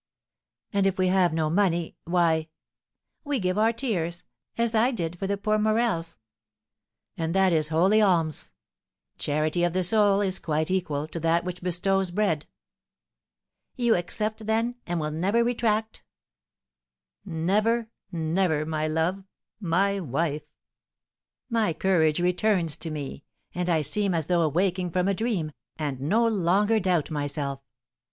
"And if we have no money, why " "We give our tears, as I did for the poor Morels." "And that is holy alms. 'Charity of the soul is quite equal to that which bestows bread.'" "You accept, then, and will never retract?" "Never, never, my love my wife! My courage returns to me, and I seem as though awaking from a dream, and no longer doubt myself.